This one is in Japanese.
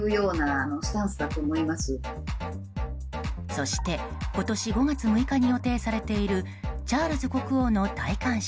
そして今年５月６日に予定されているチャールズ国王の戴冠式。